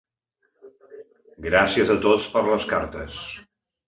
Gràcies a tots per les cartes.